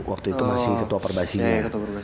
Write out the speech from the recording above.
waktu itu masih ketua perbasinya